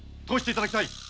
通していただきたい！